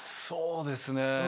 そうですね。